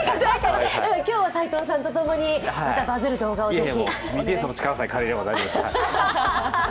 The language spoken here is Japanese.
今日は斎藤さんとともに、またバズる動画をぜひ。